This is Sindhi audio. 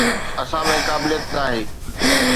اسان ۾ قابليت ناهي.